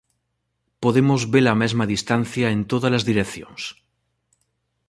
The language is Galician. Podemos ver a mesma distancia en todas as direccións.